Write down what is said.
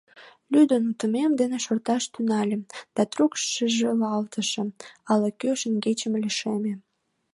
Лӱдын утымем дене шорташ тӱҥальым да трук шижылалтышым: ала-кӧ шеҥгечем лишеме.